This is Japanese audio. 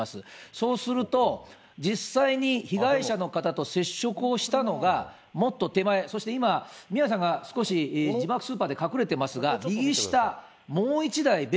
そうすると、実際に被害者の方と接触したのが、もっと手前、そして今、宮根さんが少し字幕スーパーで隠れていますが、右下、もう１台別